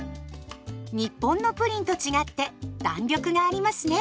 日本のプリンと違って弾力がありますね。